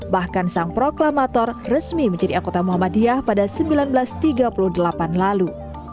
bahkan sang proklamator resmi menjadi anggota muhammadiyah pada seribu sembilan ratus tiga puluh delapan lalu